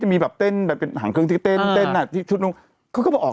มีแบบเต้นแบบเป็นหางเครื่องที่เต้นเต้นอ่ะที่ชุดนู้นเขาก็มาออก